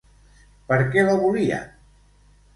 Per què la volien?